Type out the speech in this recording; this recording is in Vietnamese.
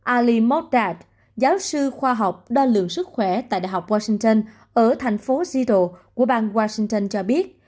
ali modra giáo sư khoa học đo lượng sức khỏe tại đại học washington ở thành phố zital của bang washington cho biết